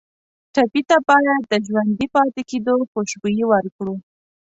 ټپي ته باید د ژوندي پاتې کېدو خوشبويي ورکړو.